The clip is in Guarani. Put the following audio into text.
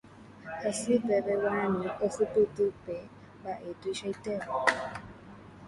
Hasy peve Guarani ohupyty pe mbaʼe tuichaitéva.